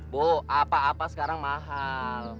bu apa apa sekarang mahal